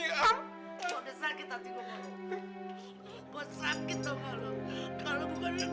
lo udah sakit hati gue mbak